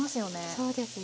そうですね